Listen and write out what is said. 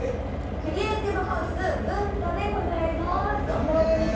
クリエイティブハウス文花でございます。